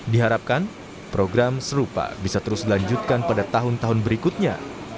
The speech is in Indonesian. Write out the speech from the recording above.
diharapkan program serupa bisa terus dilanjutkan pada tahun tahun berikutnya